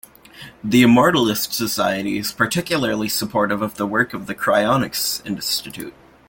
The Immortalist Society is particularly supportive of the work of the Cryonics Institute.